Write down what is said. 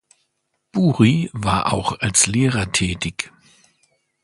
Buri war auch als Lehrer tätig.